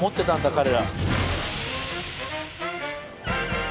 彼ら。